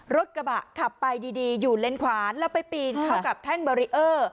รถกระบะขับไปดีดีหยุดเลนความแล้วไปปีนเข้ากับแท่งเบอร์เรอร์